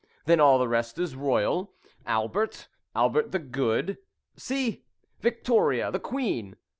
Then all the rest is royal Albert, Albert the Good, see. Victoria the Queen.